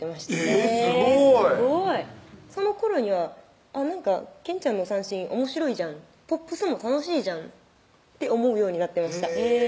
えぇっすごいすごいそのころにはケンちゃんの三線おもしろいじゃんポップスも楽しいじゃんって思うようになってました